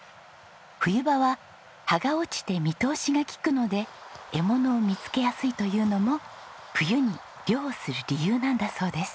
冬場は葉が落ちて見通しが利くので獲物を見つけやすいというのも冬に猟をする理由なんだそうです。